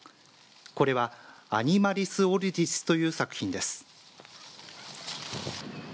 これはアニマリス・オルディスという作品です。